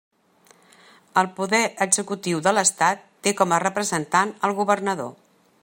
El poder executiu de l'estat té com a representant el governador.